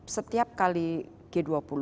setiap kali g dua puluh